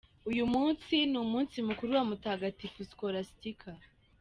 Uyu munsi ni umunsi mukuru wa Mutagatifu Scholastica.